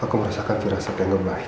aku merasakan firasat yang ngga baik